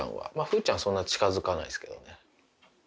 風ちゃんそんな近づかないですけどね。